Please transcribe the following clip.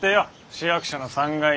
市役所の３階に。